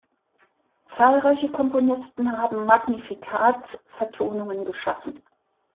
Zahlreiche Komponisten haben Magnificat-Vertonungen geschaffen.